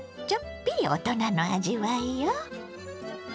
ちょっぴり大人の味わいよ。